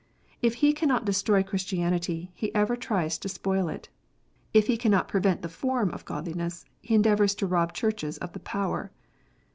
If he cannot destroy Christianity, he ever tries to spoil it. If he cannot prevent the form of godliness, he endeavours to rob Churches of the power.